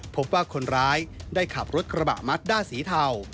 พบว่าคนร้ายได้ขับรถกระบะมัดด้าสีเทา